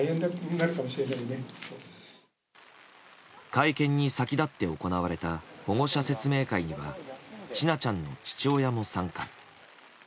会見に先立って行われた保護者説明会には千奈ちゃんの父親も参加。